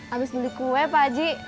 abis beli kue pak aji